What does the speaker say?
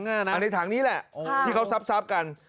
ในถังนี้แหละที่เขาซับกัน